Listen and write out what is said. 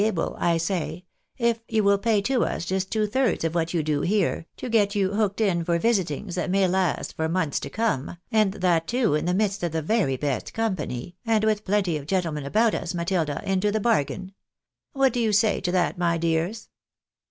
able, I say, if you will pay to us just two thirds of what you do here, to get you hooked in for visitings that may last for months to come, and that, too, in the midst of the very best company, and with plenty of gentlemen about us, Matilda, into the bargain. What do you say to that, my dears